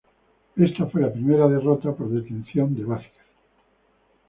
Esta fue la primera derrota por detención de Vázquez.